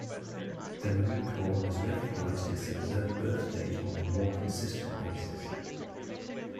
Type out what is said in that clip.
The Marine Corps has recognized its observed birth date on a more consistent basis.